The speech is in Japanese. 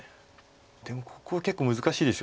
でもここは結構難しいです。